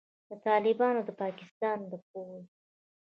د طالبانو او د پاکستان د پوځ